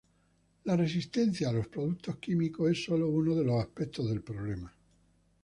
La resistencia a los productos químicos es solo uno de los aspectos del problema.